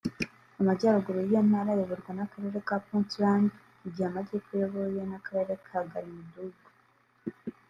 Amajyaruguru y’iyo ntara ayoborwa n’akarere ka Puntland mu gihe amajepfo ayobowe n’akarere ka Galmudug